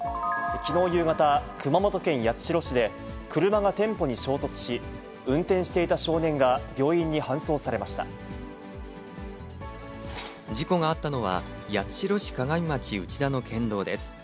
きのう夕方、熊本県八代市で車が店舗に衝突し、運転していた少年が病院に搬送さ事故があったのは、八代市鏡町うちだの県道です。